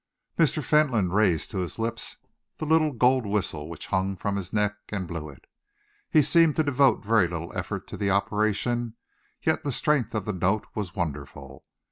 CHAPTER X Mr. Fentolin raised to his lips the little gold whistle which hung from his neck and blew it. He seemed to devote very little effort to the operation, yet the strength of the note was wonderful.